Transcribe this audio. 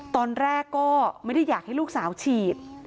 ตอนแรกก็ไม่ได้อยากให้ลูกสาวฉีด